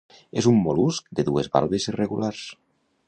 És un mol·lusc de dues valves irregulars.